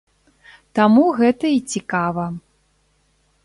Таму гэта і цікава.